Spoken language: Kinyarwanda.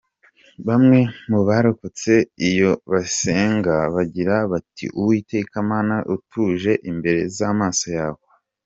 Bamwe mu barokore iyo basenga bagira bati: “Uwiteka Mana tuje imbere Z’amaso yawe.